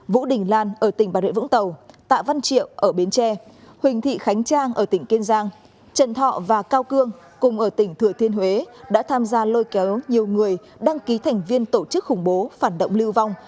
vũ đình lan ở tỉnh bà rệ vũng tàu tạ văn triệu ở bến tre huỳnh thị khánh trang ở tỉnh kiên giang trần thọ và cao cương cùng ở tỉnh thừa thiên huế đã tham gia lôi kéo nhiều người đăng ký thành viên tổ chức khủng bố phản động lưu vong